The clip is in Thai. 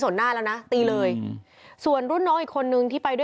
คิดว่าวันนั้นเขาใส่เสื้อสีขาว